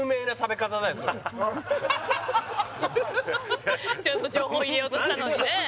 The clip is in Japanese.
それちゃんと情報入れようとしたのにね